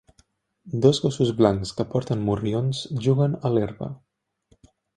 Dos gossos blancs que porten morrions juguen a l'herba